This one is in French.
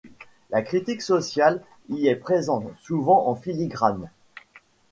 La critique sociale y est présente, souvent en filigrane.